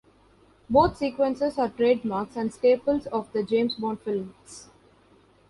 Both sequences are trademarks and staples of the James Bond films.